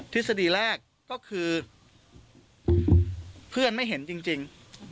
ทฤษฎีแรกก็คือเพื่อนไม่เห็นจริง